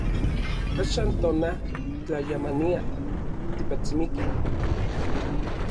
Axan tona, tlayamania, tipatsmikij.